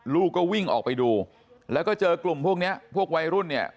ลูกก็วิ่งออกไปดูแล้วก็เจอกลุ่มพวกเนี้ยพวกวัยรุ่นเนี่ย